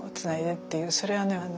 それはね